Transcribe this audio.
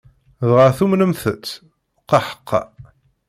Dɣa tumenent-tt? Qaḥqa!